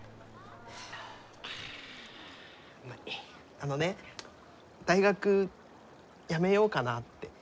あのね大学やめようかなって。